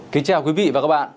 kính chào quý vị và các bạn